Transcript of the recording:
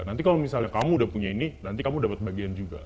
nanti kalau misalnya kamu udah punya ini nanti kamu dapat bagian juga